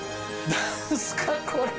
何すかこれ。